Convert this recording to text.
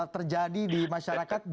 terjadi di masyarakat